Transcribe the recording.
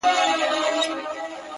هغې بېگاه زما د غزل کتاب ته اور واچوه!